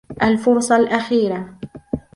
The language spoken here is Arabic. الفرصة الأخيرة